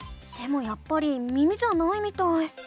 でもやっぱり耳じゃないみたい。